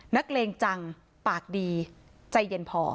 เลงจังปากดีใจเย็นพอ